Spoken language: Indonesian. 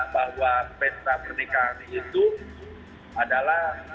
bahwa pesta pernikahan itu adalah